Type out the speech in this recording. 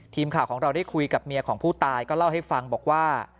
ทีมข่าวของเราได้คุยกับเมียของผู้ตายก็เล่าให้ฟังบอกว่า